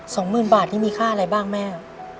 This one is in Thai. สองหมื่นบาทนี่มีค่าอะไรบ้างแม่